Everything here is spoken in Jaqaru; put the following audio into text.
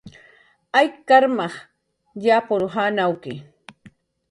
Ayk karmas yapun janawki